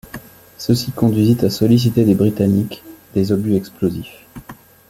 Ceci conduisit à solliciter des Britanniques des obus explosifs.